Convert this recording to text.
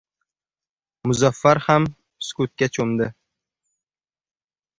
Muzaffar ham sukutga cho‘mdi.